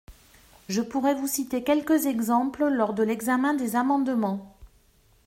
Je pourrai vous citer quelques exemples lors de l’examen des amendements.